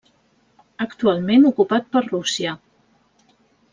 Actualment ocupat per Rússia.